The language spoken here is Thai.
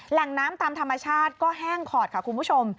แหล่งน้ำตามธรรมชาติก็แห้งขอดค่ะคุณผู้ชม